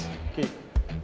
cabutlah ke kelas